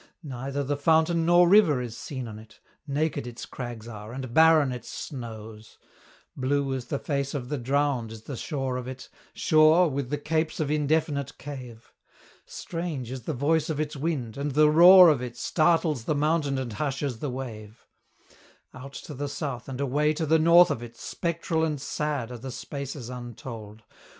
Neither the fountain nor river is seen on it, Naked its crags are, and barren its snows! Blue as the face of the drowned is the shore of it Shore, with the capes of indefinite cave. Strange is the voice of its wind, and the roar of it Startles the mountain and hushes the wave. Out to the south and away to the north of it, Spectral and sad are the spaces untold!